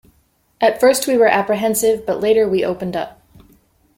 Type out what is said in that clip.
At first we were apprehensive, but later we opened up.